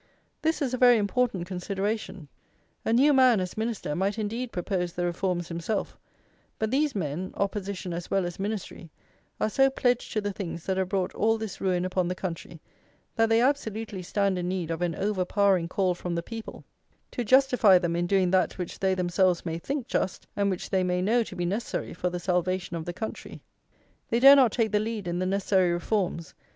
This is a very important consideration. A new man, as Minister, might indeed propose the reforms himself; but these men, Opposition as well as Ministry, are so pledged to the things that have brought all this ruin upon the country, that they absolutely stand in need of an overpowering call from the people to justify them in doing that which they themselves may think just, and which they may know to be necessary for the salvation of the country. They dare not take the lead in the necessary reforms.